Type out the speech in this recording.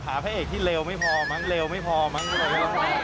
หาแผ่งที่เลวไม่พอเลวไม่พอก็บอกว่า